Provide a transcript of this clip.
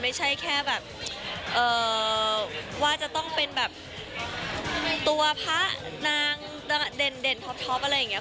ไม่ใช่แค่แบบว่าจะต้องเป็นแบบตัวพระนางเด่นท็อปอะไรอย่างนี้